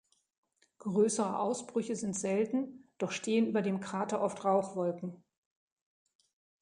Größere Ausbrüche sind selten, doch stehen über dem Krater oft Rauchwolken.